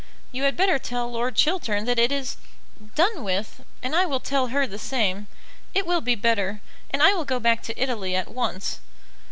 You had better tell Lord Chiltern that it is done with, and I will tell her the same. It will be better; and I will go back to Italy at once."